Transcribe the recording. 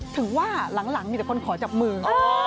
ถึงว่าหลังมีแต่คนขอจับมือ